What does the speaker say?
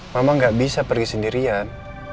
mama gak bisa pergi sendirian